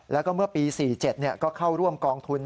แล้วก็เมื่อปี๔๗ก็เข้าร่วมกองทุน